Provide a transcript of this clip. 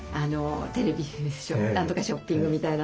テレビなんとかショッピングみたいなので。